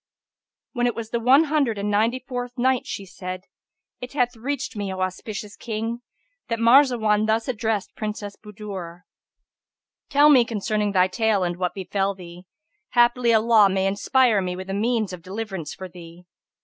When it was the One Hundred and Ninety fourth Night, She said, It hath reached me, O auspicious King, that Marzawar thus addressed Princess Budur, "Tell me concerning thy tale and what befel thee: haply Allah may inspire me with a means of deliverance for thee."